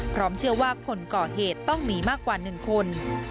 พร้อมเชื่อว่าผลเกาะเหตุต้องมีมากกว่าหนึ่งคน